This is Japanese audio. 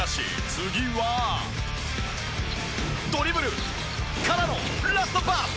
次はドリブルからのラストパス。